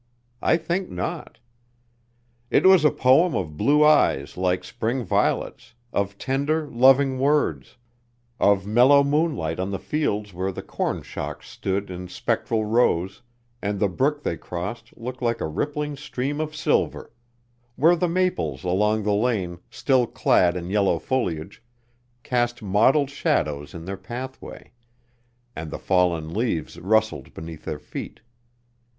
I think not. It was a poem of blue eyes like spring violets, of tender, loving words, of mellow moonlight on the fields where the corn shocks stood in spectral rows, and the brook they crossed looked like a rippling stream of silver; where the maples along the lane, still clad in yellow foliage, cast mottled shadows in their pathway, and the fallen leaves rustled beneath their feet.